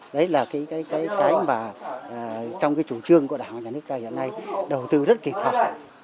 đấy là cái mà trong chủ trương của đảng và nhà nước tại giờ này đầu tư rất kịch thật